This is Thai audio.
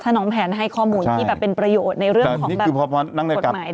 น้องแผนให้ข้อมูลที่แบบเป็นประโยชน์ในเรื่องของกฎหมาย